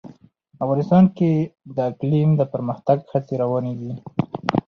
افغانستان کې د اقلیم د پرمختګ هڅې روانې دي.